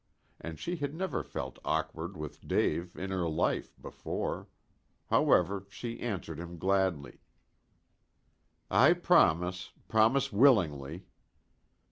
And she had never felt awkward with Dave in her life before. However, she answered him gladly. "I promise promise willingly."